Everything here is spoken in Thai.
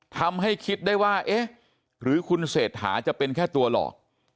คิดได้ว่าเอ๊ะหรือคุณเศรษฐาจะเป็นแค่ตัวหลอก